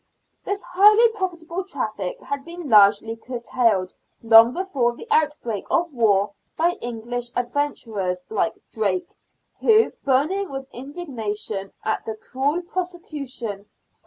This highly profitable traffic had been largely curtailed long before the outbreak of war by English adventurers like Drake, who, burning with indignation at the cruel persecution of 100 SIXTEENTH CENTURY BRISTOL.